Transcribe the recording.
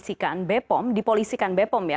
polisikan bepom dipolisikan bepom ya